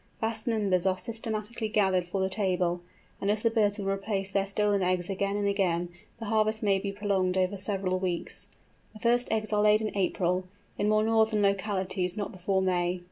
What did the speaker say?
Vast numbers are systematically gathered for the table; and as the birds will replace their stolen eggs again and again, the harvest may be prolonged over several weeks. The first eggs are laid in April; in more northern localities not before May.